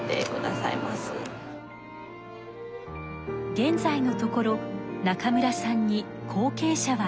現在のところ中村さんに後けい者はいません。